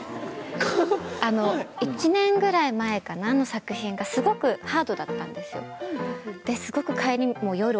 あの１年ぐらい前の作品がすごくハードだったんですよ。ですごく。